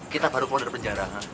kita baru kondor penjara